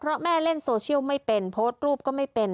เพราะแม่เล่นโซเชียลไม่เป็นโพสต์รูปก็ไม่เป็น